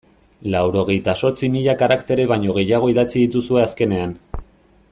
Laurogeita zortzi mila karaktere baino gehiago idatzi dituzue azkenean.